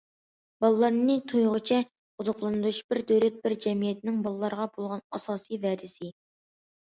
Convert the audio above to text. بالىلارنى تويغۇچە ئوزۇقلاندۇرۇش، بىر دۆلەت، بىر جەمئىيەتنىڭ بالىلارغا بولغان ئاساسىي ۋەدىسى.